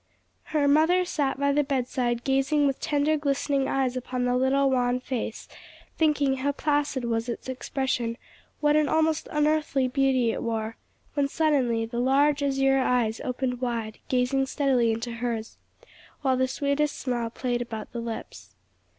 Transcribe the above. Her mother sat by the bedside gazing with tender glistening eyes upon the little wan face, thinking how placid was its expression, what an almost unearthly beauty it wore, when suddenly the large azure eyes opened wide, gazing steadily into hers, while the sweetest smile played about the lips.